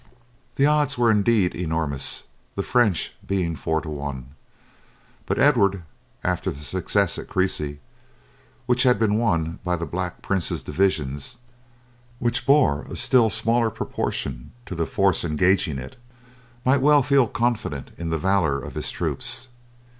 The odds were indeed enormous, the French being four to one; but Edward, after the success of Cressy, which had been won by the Black Prince's division, which bore a still smaller proportion to the force engaging it, might well feel confident in the valour of his troops.